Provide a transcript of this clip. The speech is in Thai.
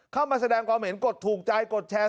เข้ามาแสดงความเห็นกดถูกใจกดแชร์